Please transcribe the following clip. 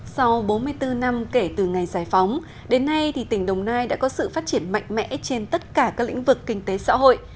sau bốn mươi bốn năm kể từ ngày giải phóng đến nay tỉnh đồng nai đã có sự phát triển mạnh mẽ trên tất cả các lĩnh vực kinh tế xã hội